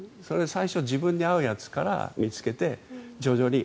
最初、自分に合うやつから見つけて徐々に。